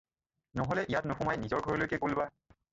নহ'লে ইয়াত নোসোমাই নিজৰ ঘৰলৈকে গ'ল বা।